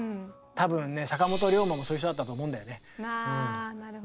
多分ね坂本龍馬もそういう人だったと思うんだよね。